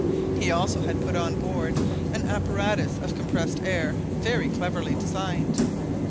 He also had put on board an apparatus of compressed air very cleverly designed.